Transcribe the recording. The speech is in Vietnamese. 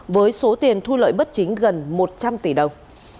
với số tiền thu lợi bất chính gần một trăm linh tỷ đồng